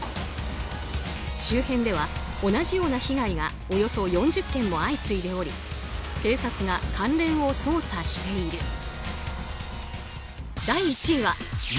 周辺では同じような被害がおよそ４０件も相次いでおり警察が関連を捜査している。